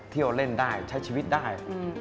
เที่ยวเล่นได้ใช้ชีวิตได้